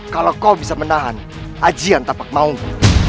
kalau kau bisa menahan ajian tak bak maung